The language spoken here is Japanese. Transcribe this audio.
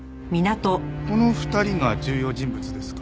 この２人が重要人物ですか。